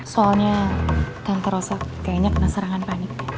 soalnya tante rosa kayaknya kena serangan panik